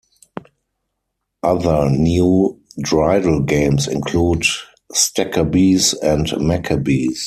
Other new dreidel games include Staccabees and Maccabees.